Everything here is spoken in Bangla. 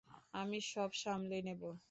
আমি সব সামলে নেব।